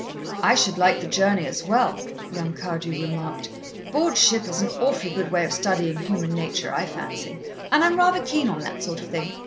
"I should like the journey as well," young Cardew remarked. "Board ship is an awfully good way of studying human nature, I fancy, and I'm rather keen on that sort of thing.